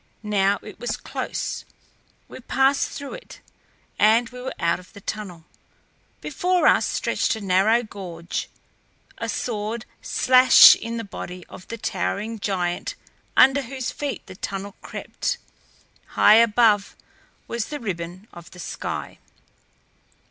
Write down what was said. Now it was close; we passed through it and were out of the tunnel. Before us stretched a narrow gorge, a sword slash in the body of the towering giant under whose feet the tunnel crept. High above was the ribbon of the sky.